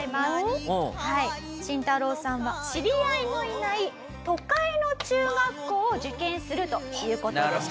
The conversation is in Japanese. シンタロウさんは知り合いのいない都会の中学校を受験するという事でした。